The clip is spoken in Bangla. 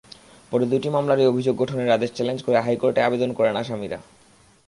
পরে দুটি মামলারই অভিযোগ গঠনের আদেশ চ্যালেঞ্জ করে হাইকোর্টে আবেদন করেন আসামিরা।